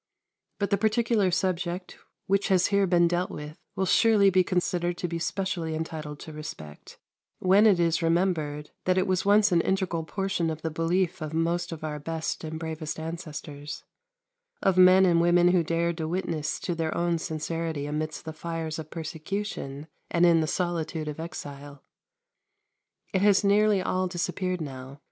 But the particular subject which has here been dealt with will surely be considered to be specially entitled to respect, when it is remembered that it was once an integral portion of the belief of most of our best and bravest ancestors of men and women who dared to witness to their own sincerity amidst the fires of persecution and in the solitude of exile. It has nearly all disappeared now.